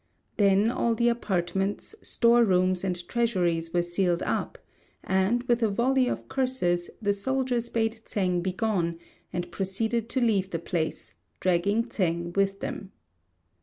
Then all the apartments, store rooms, and treasuries were sealed up; and, with a volley of curses, the soldiers bade Tsêng begone, and proceeded to leave the place, dragging Tsêng with them.